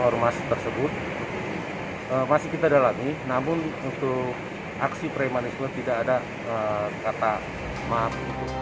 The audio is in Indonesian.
ormas tersebut masih kita dalami namun untuk aksi premanisme tidak ada kata maaf